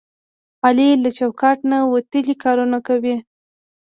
علي له چوکاټ نه وتلي کارونه کوي.